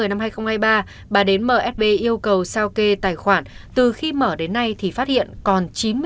năm hai nghìn hai mươi ba bà đến msb yêu cầu sao kê tài khoản từ khi mở đến nay thì phát hiện còn chín mươi